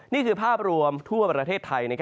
นี่คือภาพรวมทั่วประเทศไทย